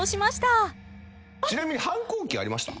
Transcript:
ちなみに反抗期ありました？